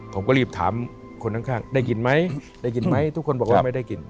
ผมก็รีบถามคนข้างได้กินไหมได้กินไหมทุกคนบอกว่าไม่ได้กิน